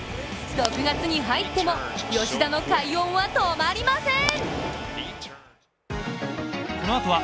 ６月に入っても吉田の快音は止まりません！